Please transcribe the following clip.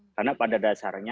karena pada dasarnya